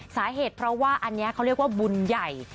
สาเหตุเพราะว่าอันนี้เขาเรียกว่าบุญใหญ่